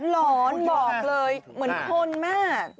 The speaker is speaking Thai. หลอนบอกเลยเหมือนคนมาก